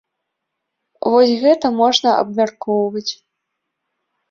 Вось гэта можна абмяркоўваць.